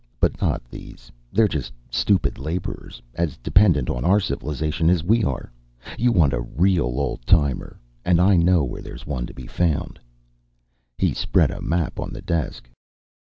"But not these. They're just stupid laborers, as dependent on our civilization as we are. You want a real old timer, and I know where one's to be found." He spread a map on the desk.